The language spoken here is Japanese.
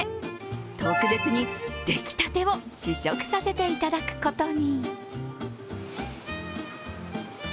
特別に出来たてを試食させていただくことに。